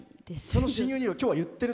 その親友には今日は言ってる？